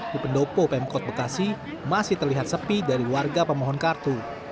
di pendopo pemkot bekasi masih terlihat sepi dari warga pemohon kartu